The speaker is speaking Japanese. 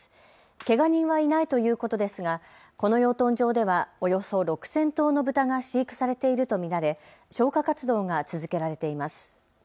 けが人はいないということですがこの養豚場ではおよそ６０００頭の豚が飼育されていると見られ消火活動が続けられています。